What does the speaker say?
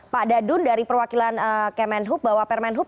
pak dadun dari perwakilan kemenhub bawapermenhub